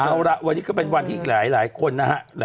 เอาละวันนี้ก็เป็นวันที่อีกหลายคนนะฮะ